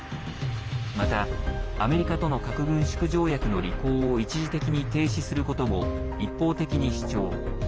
また、アメリカとの核軍縮条約の履行を一時的に停止することも一方的に主張。